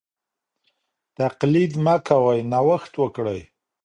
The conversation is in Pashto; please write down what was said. تقليد مه کوئ نوښت وکړئ.